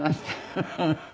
フフフフ。